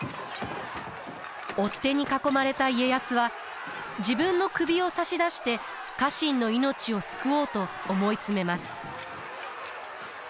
追っ手に囲まれた家康は自分の首を差し出して家臣の命を救おうと思い詰めます。